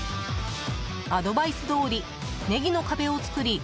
アドバイスどおりネギの壁を作り